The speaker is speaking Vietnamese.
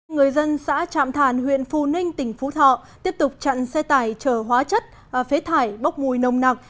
người dân xã trạm thàn huyện phu ninh tỉnh phú thọ tiếp tục chặn xe tải chở hóa chất phế thải bốc mùi nồng nặc